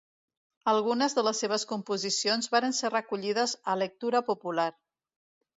Algunes de les seves composicions varen ser recollides a Lectura Popular.